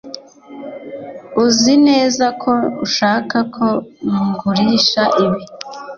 uzi neza ko ushaka ko ngurisha ibi